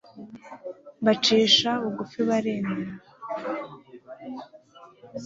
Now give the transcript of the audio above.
mbacisha bugufibaremera